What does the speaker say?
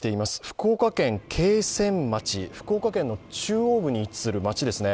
福岡県桂川町、福岡県の中央部に位置する町ですね。